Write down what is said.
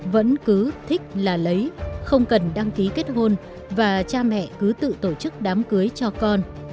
vẫn cứ thích là lấy không cần đăng ký kết hôn và cha mẹ cứ tự tổ chức đám cưới cho con